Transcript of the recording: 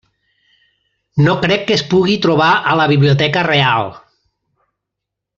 No crec que es pugui trobar a la Biblioteca Reial.